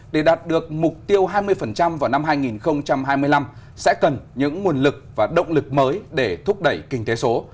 để đạt được mục tiêu hai mươi vào năm hai nghìn hai mươi năm sẽ cần những nguồn lực và động lực mới để thúc đẩy kinh tế số